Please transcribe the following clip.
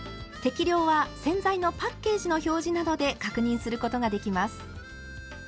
適量は洗剤のパッケージの表示などで確認することができます。